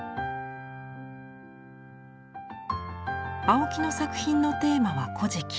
青木の作品のテーマは「古事記」。